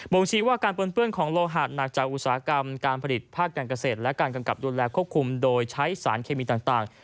งชี้ว่าการปนเปื้อนของโลหะหนักจากอุตสาหกรรมการผลิตภาคการเกษตรและการกำกับดูแลควบคุมโดยใช้สารเคมีต่าง